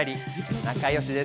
仲よしです。